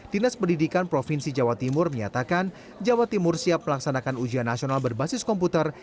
dinas pendidikan provinsi jawa timur menyatakan jawa timur siap melaksanakan ujian nasional berbasis komputer